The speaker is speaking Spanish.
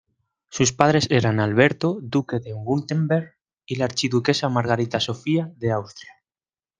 Sus padres eran Alberto, duque de Wurtemberg y la archiduquesa Margarita Sofía de Austria.